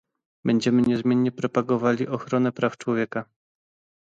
Będziemy niezmiennie propagowali ochronę praw człowieka